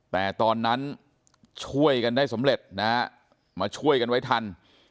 แต่ตอนนั้นช่วยกันได้สำเร็จนะฮะมาช่วยกันไว้ทัน